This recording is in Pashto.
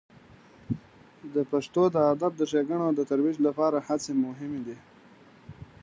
د پښتو د ادب د ښیګڼو د ترویج لپاره هڅې مهمې دي.